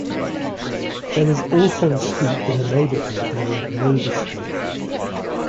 There is also a street in the neighborhood named Mova Street.